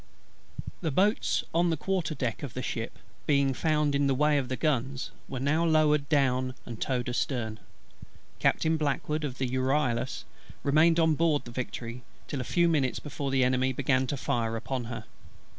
The boats on the quarters of the ship, being found in the way of the guns, were now lowered, down, and towed astern. Captain BLACKWOOD, of the Euryalus, remained on board the Victory till a few minutes before the Enemy began to fire upon her.